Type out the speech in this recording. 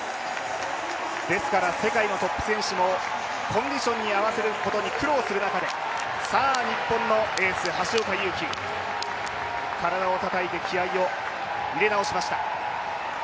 ですから世界のトップ選手もコンディションを合わせることに苦労する中で日本のエース・橋岡優輝、体をたたいて気合いを入れ直しました。